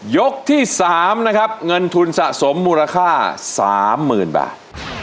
ยกที่๓นะครับเงินทุนสะสมมูลค่า๓๐๐๐บาท